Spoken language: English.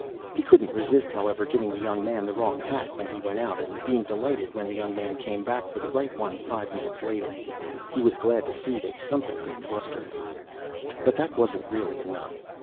He couldn't resist, however, giving the young man the wrong hat when he went out and being delighted when the young man came back for the right one five minutes later. He was glad to see that something could fluster him. But that wasn't really enough.